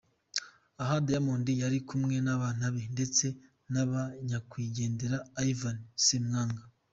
Aha Diamond yari kumwe n’abana be ndetse n’aba Nyakwigendera Ivan Ssemwanga .